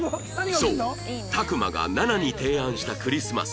そうタクマがナナに提案したクリスマスは